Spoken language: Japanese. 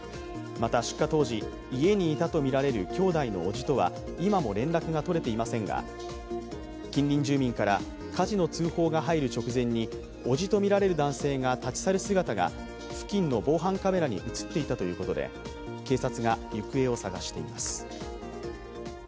また、出火当時、家にいたとみられる兄弟のおじとは今も連絡がとれていませんが近隣住民から火事の通報が入る直前におじとみられる男性が立ち去る姿が付近の防犯カメラに映っていたということで、警察が行方を捜しています。